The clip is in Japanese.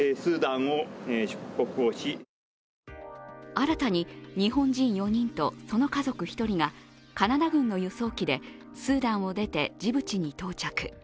新たに日本人４人とその家族１人がカナダ軍の輸送機でスーダンを出てジブチに到着。